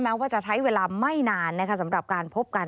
ว่าจะใช้เวลาไม่นานสำหรับการพบกัน